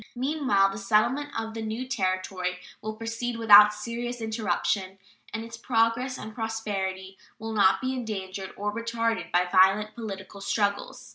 Meanwhile the settlement of the new Territory will proceed without serious interruption, and its progress and prosperity will not be endangered or retarded by violent political struggles.